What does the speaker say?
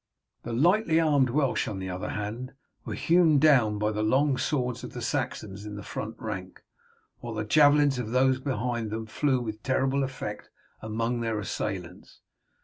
The lightly armed Welsh, on the other hand, were hewn down by the long swords of the Saxons in the front rank, while the javelins of those behind them flew with terrible effect among their assailants.